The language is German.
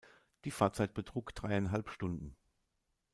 Die Fahrzeit betrug dreieinhalb Stunden.